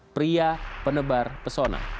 pria penebar pesona